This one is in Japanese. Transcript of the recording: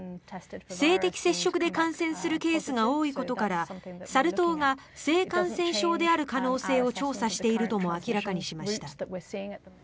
性的接触で感染するケースが多いことからサル痘が性感染症である可能性を調査しているとも明らかにしました。